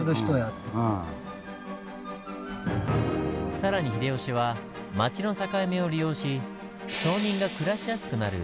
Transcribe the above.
更に秀吉は町の境目を利用し町民が暮らしやすくなる